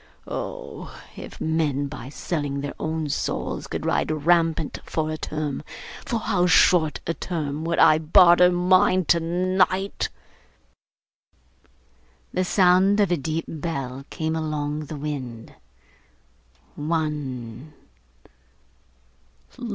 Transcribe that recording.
Oh! if men by selling their own souls could ride rampant for a term, for how short a term would I barter mine tonight!' The sound of a deep bell came along the wind. One.